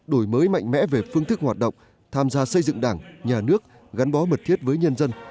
đổi mới mạnh mẽ về phương thức hoạt động tham gia xây dựng đảng nhà nước gắn bó mật thiết với nhân dân